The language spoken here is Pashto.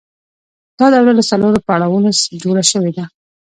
دا دوره له څلورو پړاوونو جوړه شوې ده